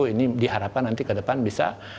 ini diharapkan nanti ke depan bisa